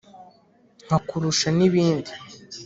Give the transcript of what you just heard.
nkakurusha n'ibindi :